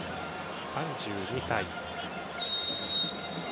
３２歳。